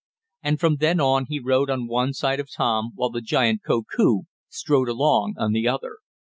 And from then on he rode on one side of Tom, while the giant, Koku, strode along on the other.